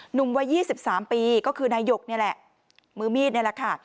หนุ่มวัย๒๓ปีก็คือนายกนี่แหละมือมีดนี่แหละค่ะ